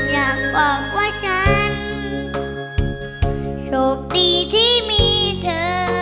อยากบอกว่าฉันโชคดีที่มีเธอ